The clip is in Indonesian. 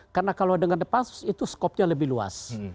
karena kalau lewat pansus itu skopnya lebih luas